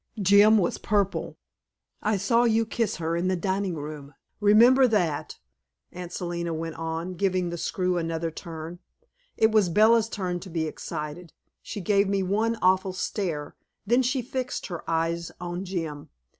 Jim was purple. "I saw you kiss her in the dining room, remember that!" Aunt Selina went on, giving the screw another turn. It was Bella's turn to be excited. She gave me one awful stare, then she fixed her eyes on Jim.